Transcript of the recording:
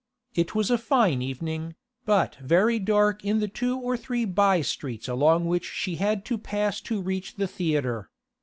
It was a fine evening, but very dark in the two or three by streets along which she had to pass to reach the theatre.